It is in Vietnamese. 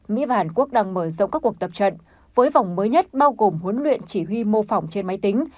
mỹ và hàn quốc đang mở rộng các cuộc tập trận với vòng mới nhất bao gồm huấn luyện chỉ huy mô phỏng trên máy tính